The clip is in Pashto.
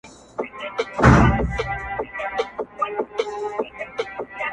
دابراهم خلیفه بابا په ریګ کښی ډیر بادیزی اوسی .